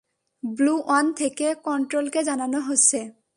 Blue one থেকে কন্ট্রোলকে জানানো হচ্ছে।